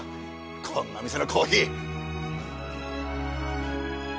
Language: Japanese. こんな店のコーヒー。